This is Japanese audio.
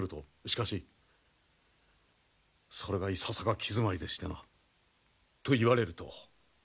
しかしそれがいささか気詰まりでしてな。と言われると？